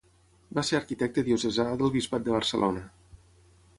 Va ser arquitecte diocesà del bisbat de Barcelona.